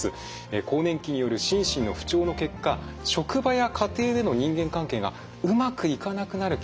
更年期による心身の不調の結果職場や家庭での人間関係がうまくいかなくなるケースがあるんです。